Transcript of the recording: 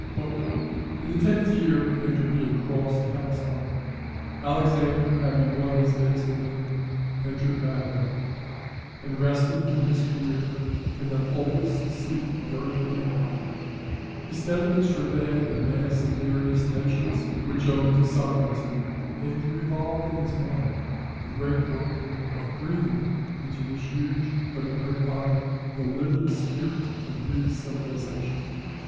"In the tenth year after he had crossed the Hellespont, Alexander, having won his vast dominion, entered Babylon; and resting from his career in that oldest seat of earthly empire, he steadily surveyed the mass of various nations which owned his sovereignty, and revolved in his mind the great work of breathing into this huge but inert body the living spirit of Greek civilization.